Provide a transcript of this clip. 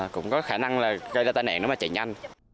cũng có khả năng là gây ra tai nạn nếu mà chạy nhanh